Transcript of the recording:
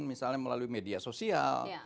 misalnya melalui media sosial